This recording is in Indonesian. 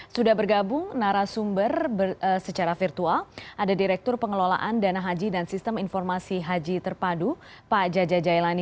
sudah bergabung narasumber secara virtual ada direktur pengelolaan dana haji dan sistem informasi haji terpadu pak jaja jailani